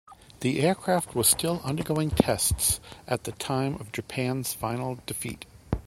The aircraft was still undergoing tests at the time of Japan's final defeat.